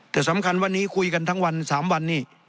แต่สำคัญวันนี้คุยกันทั้งวัน๓วันนี้